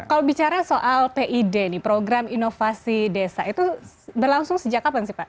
kalau bicara soal pid nih program inovasi desa itu berlangsung sejak kapan sih pak